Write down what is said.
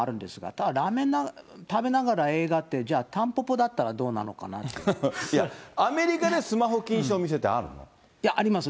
ただラーメン食べながら映画って、じゃあ、たんぽぽだったらどうなアメリカでスマホ禁止のお店いや、あります。